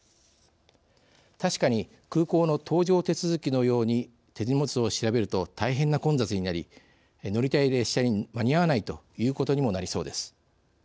確かに空港の搭乗手続きのように手荷物を調べると大変な混雑になり乗りたい列車に間に合わないということにもなりそうです。